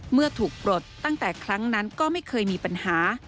เมื่อถูกปลดตั้งแต่ครั้งนั้นก็ไม่เคยมีปัญหา